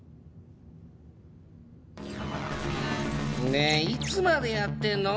ねえいつまでやってんの？